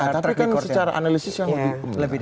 tapi kan secara analisis yang lebih tinggi